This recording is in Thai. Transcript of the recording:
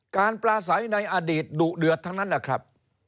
ปลาใสในอดีตดุเดือดทั้งนั้นนะครับ